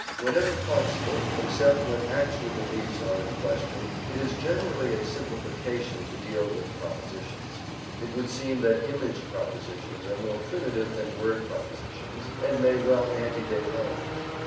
Whenever possible, except when actual beliefs are in question, it is generally a simplification to deal with propositions. It would seem that image propositions are more primitive than word propositions, and may well ante date language.